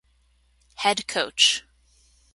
Head Coach